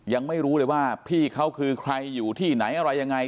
ยังไม่รู้เลยว่าพี่เขาคือใครอยู่ที่ไหนอะไรยังไง